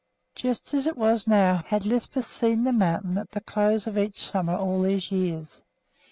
Just as it was now had Lisbeth seen the mountain at the close of each summer all these years.